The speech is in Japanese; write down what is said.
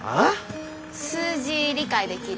数字理解できる？